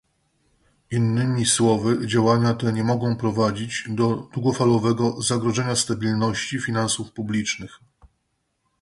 Innymi słowy, działania te nie mogą prowadzić do długofalowego zagrożenia stabilności finansów publicznych